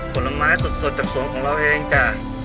ผลไม้สดจากสวนของเราเองจ้ะ